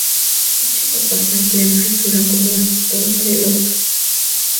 Dicha papa se emplea en fritura y como escolta de locro.